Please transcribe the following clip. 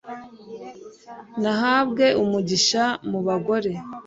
nahabwe umugisha mu bagore